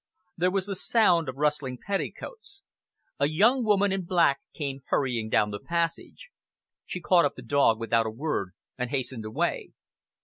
There was the sound of rustling petticoats. A young woman in black came hurrying down the passage. She caught up the dog without a word, and hastened away.